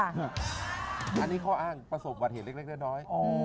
อันนี้ข้ออ้างประสบสวัสดิ์เหล็กเลือด้อย